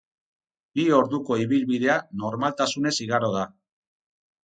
Bi orduko ibilbidea normaltasunez igaro da.